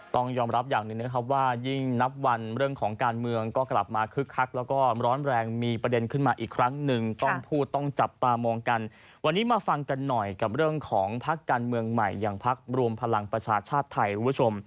ต้องยอมรับอย่างหนึ่งนะครับว่ายิ่งนับวันเรื่องของการเมืองก็กลับมาคึกคักแล้วก็ร้อนแรงมีประเด็นขึ้นมาอีกครั้งหนึ่งต้องพูดต้องจับตามองกันวันนี้มาฟังกันหน่อยกับเรื่องของพักการเมืองใหม่อย่างพักรวมพลังประชาชาติไทยคุณผู้ชม